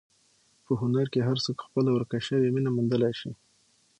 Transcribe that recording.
په هنر کې هر څوک خپله ورکه شوې مینه موندلی شي.